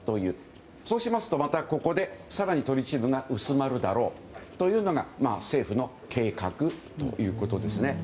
そうしますとここで更にトリチウムが薄まるだろうというのが政府の計画ということですね。